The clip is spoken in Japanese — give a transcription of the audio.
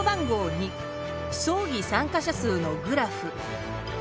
２争議参加者数のグラフ。